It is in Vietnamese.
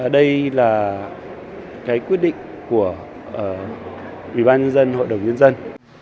đây là cái quyết định của ủy ban nhân dân hội đồng nhân dân